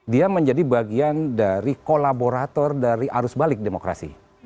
dia menjadi bagian dari kolaborator dari arus balik demokrasi